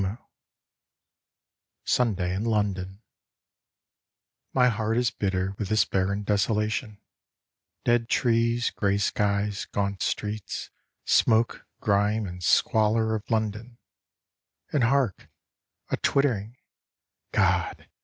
12 Sunday in London MY heart is bitter with this barren desolation Dead trees, grey skies, gaunt streets, smoke, grime, and squalor of London ; And hark ! a twittering God